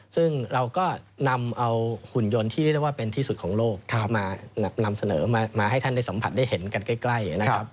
ซึ่งเราก็นำเอาหุ่นยนต์ที่เรียกได้ว่าเป็นที่สุดของโลกมานำเสนอมาให้ท่านได้สัมผัสได้เห็นกันใกล้นะครับ